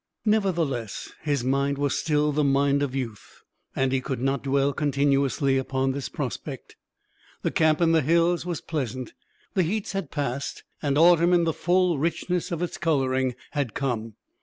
Nevertheless, his mind was still the mind of youth, and he could not dwell continuously upon this prospect. The camp in the hills was pleasant. The heats had passed, and autumn in the full richness of its coloring had come.